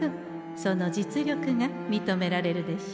その実力がみとめられるでしょう。